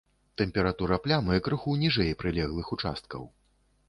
Тэмпература плямы крыху ніжэй прылеглых участкаў.